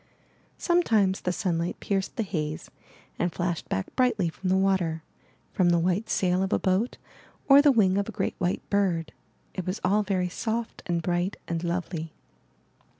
Some times the sunlight pierced the haze and flashed back brightly from the water, from the white sail of a boat, or the wing of a great white bird. It was all very soft and bright and lovely.